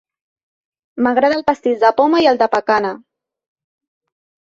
M'agrada el pastís de poma i el de pacana.